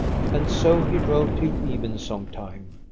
And so he rode till evensong time.